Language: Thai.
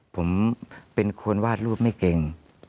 ผมเป็นคนวาดรูปไม่เก่ง